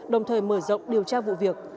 đồng thời mở rộng điều tra vụ việc